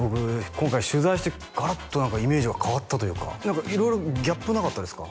今回取材してガラッとイメージが変わったというか何か色々ギャップなかったですか？